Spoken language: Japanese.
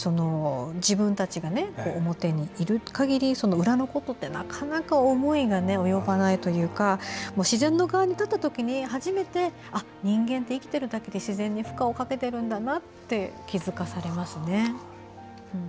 自分たちが表にいる限り裏のことってなかなか思いが及ばないというか自然の側に立ったときに初めて人間って生きてるだけで自然に負荷をかけているんだなと気付かされますね。